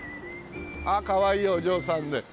ああかわいいお嬢さんで。